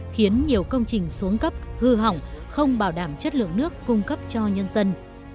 khiến nhiều công trình xuống cấp hư hỏng không bảo đảm chất lượng nước cung cấp cho nhân dân